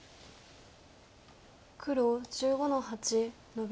黒１５の八ノビ。